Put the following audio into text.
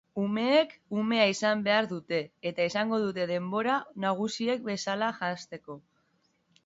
Umeek ume izan behar dute, eta izango dute denbora nagusiek bezala janzteko.